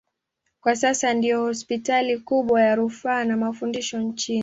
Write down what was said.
Kwa sasa ndiyo hospitali kubwa ya rufaa na mafundisho nchini.